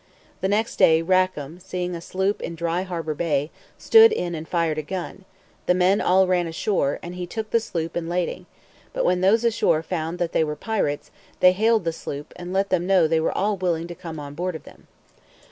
The next day Rackam seeing a sloop in Dry Harbour Bay, stood in and fired a gun; the men all ran ashore, and he took the sloop and lading; but when those ashore found that they were pirates, they hailed the sloop, and let them know they were all willing to come on board of them.